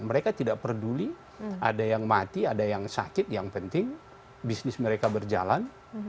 mereka tidak peduli ada yang mati ada yang sakit yang penting bisnis mereka berjalan